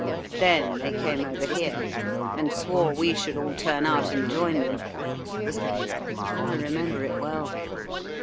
Then they came over here, and swore we should all turn out and join them. "I remember it well.